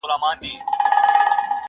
او د خلکو په منځ کي پرېوځي،